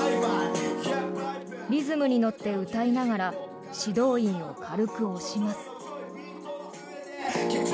リズムに乗って歌いながら指導員を軽く押します。